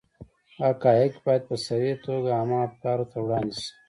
حقایق باید په صریحه توګه عامه افکارو ته وړاندې شي.